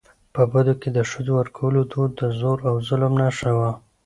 په بدو کي د ښځو ورکولو دود د زور او ظلم نښه وه .